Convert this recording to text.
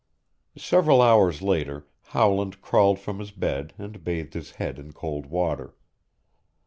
Several hours later Howland crawled from his bed and bathed his head in cold water.